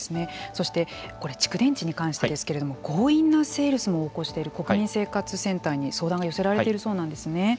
そしてこれ蓄電池に関してですけれども強引なセールスも起こしている国民生活センターに相談が寄せられているそうなんですね。